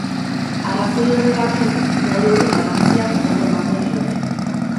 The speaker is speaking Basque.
Arrazoi horregatik, gai horri garrantzia gehiago emango diote.